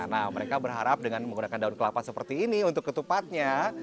nah mereka berharap dengan menggunakan daun kelapa seperti ini untuk ketupatnya